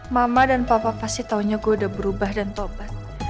mama dan papa pasti taunya gue udah berubah dan tobat